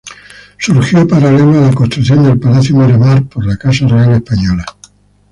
Surgió paralelo a la construcción del Palacio Miramar por la Casa Real española.